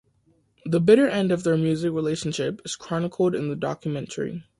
The bitter end of their music relationship is chronicled in the documentary.